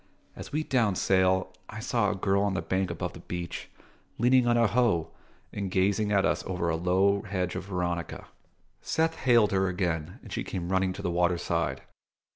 As we downed sail, I saw a girl on the bank above the beach, leaning on a hoe and gazing at us over a low hedge of veronica. Seth hailed her again, and she came running to the waterside.